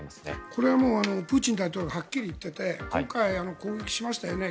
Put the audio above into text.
これはプーチン大統領がはっきり言っていて今回攻撃しましたよね